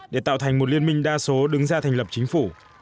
để tạo thành một liên minh đa số đứng ra thành lập chính phủ